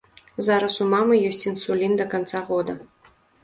Зараз у мамы ёсць інсулін да канца года.